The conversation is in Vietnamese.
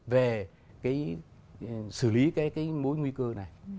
về cái xử lý cái mối nguy cơ này